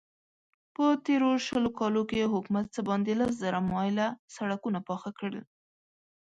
په تېرو شلو کالو کې حکومت څه باندې لس زره مايله سړکونه پاخه کړل.